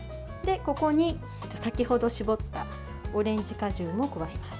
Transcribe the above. ここに先程搾ったオレンジ果汁も加えます。